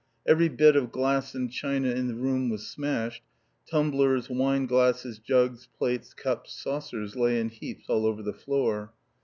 Every bit of glass and china in the room was smashed, tumblers, wine glasses, jugs, plates, cups, saucers lay in heaps all over the floor.